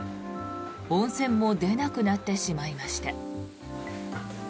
温泉も出なくなってしまいました。